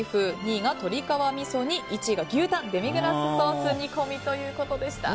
２位が鳥皮みそ煮１位が牛タンデミグラスソース煮込みでした。